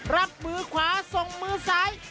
รับมือขวาส่งมือซ้าย